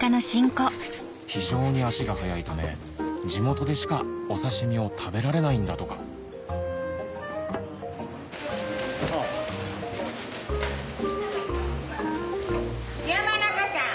非常に足が早いため地元でしかお刺し身を食べられないんだとか山中さん。